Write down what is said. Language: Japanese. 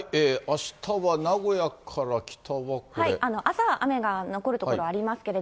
あしたは名古屋から北はこれ。